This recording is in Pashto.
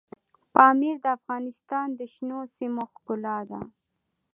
پامیر د افغانستان د شنو سیمو ښکلا ده.